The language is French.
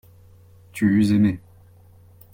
Tu eus aimé.